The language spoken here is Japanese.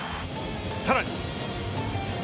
さらに。